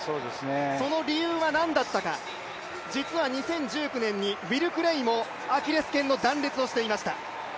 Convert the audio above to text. その理由は何だったか、実は２０１９年にウィル・クレイもアキレスけんの断裂をしていました。